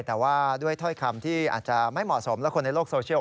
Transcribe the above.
แต่ว่าด้วยถ้อยคำที่อาจจะไม่เหมาะสมและคนในโลกโซเชียล